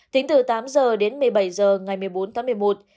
tính từ tám giờ đến một mươi bảy giờ ngày một mươi bốn tháng một mươi một